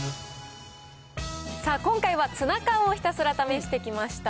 さあ、今回はツナ缶をひたすら試してきました。